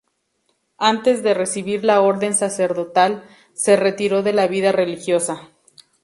Antes de recibir la orden sacerdotal, se retiró de la vida religiosa.